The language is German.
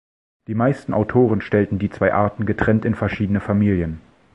Die meisten Autoren stellten die zwei Arten getrennt in verschiedene Familien.